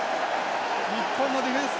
日本のディフェンス。